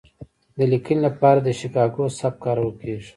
د لیکنې لپاره د شیکاګو سبک کارول کیږي.